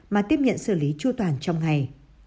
mà tiếp nhận xử lý chua toàn trong ngày